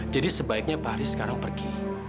jadi sebaiknya pak haris sekarang pergi